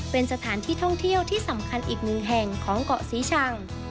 เป็นสถานที่ท่องเที่ยวที่สำคัญอีกหนึ่งแห่งของเกาะศรีชัง